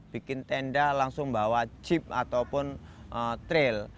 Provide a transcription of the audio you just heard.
bikin tenda langsung bawa chip ataupun trail